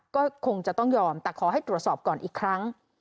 ก็คงจะต้องยอมแต่ขอให้ตรวจสอบก่อนอีกครั้ง